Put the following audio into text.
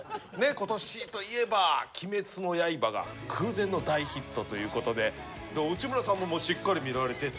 今年といえば「鬼滅の刃」が空前の大ヒットということで内村さんももうしっかり見られてて。